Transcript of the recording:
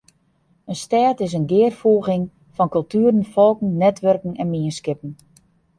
In stêd is in gearfoeging fan kultueren, folken, netwurken en mienskippen.